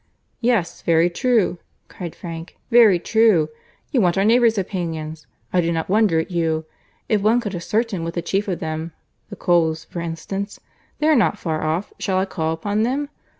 "Yes, very true," cried Frank, "very true. You want your neighbours' opinions. I do not wonder at you. If one could ascertain what the chief of them—the Coles, for instance. They are not far off. Shall I call upon them?